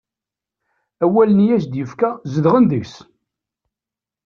Awalen i as-d-yefka zedɣen deg-s.